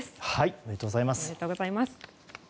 おめでとうございます。